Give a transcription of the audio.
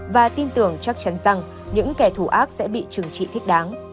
và tin tưởng chắc chắn rằng những kẻ thù ác sẽ bị trừng trị thích đáng